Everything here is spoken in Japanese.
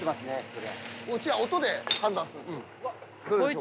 うちは音で判断するんですよ。